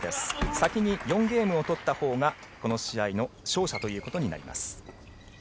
先に４ゲームを取ったほうがこの試合の勝者となります。